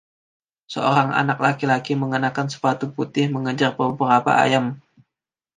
seorang anak laki-laki mengenakan sepatu putih mengejar beberapa ayam.